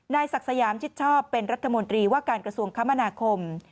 ศักดิ์สยามชิดชอบเป็นรัฐมนตรีว่าการกระทรวงคมนาคม